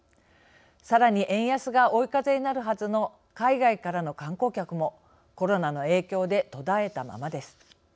さらに、円安が追い風になるはずの海外からの観光客もコロナの影響で途絶えたままです。